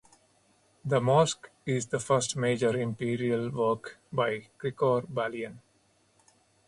The mosque is the first major imperial work by Krikor Balian.